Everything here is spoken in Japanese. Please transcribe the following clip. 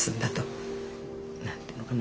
何て言うのかな